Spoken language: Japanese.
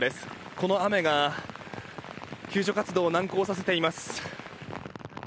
この雨が救助活動を難航させています。